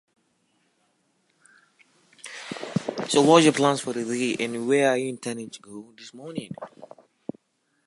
It consisted of the County of Prince.